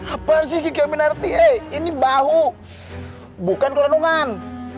apaan sih kiki minarti eh ini bahu bukan kelendungan